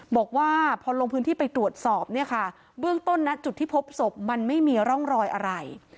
บอกว่าพอลงพื้นที่ไปตรวจสอบเนี่ยค่ะเบื้องต้นนะจุดที่พบศพมันไม่มีร่องรอยอะไร